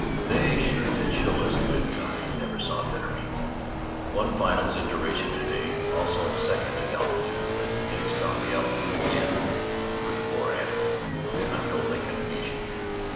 They sure did show us a good time. Never saw better meet. Won finals in duration to day. Also am second in altitude, but nix on the altitude again, I'm pretty poor at it. I'm no Lincoln Beachey!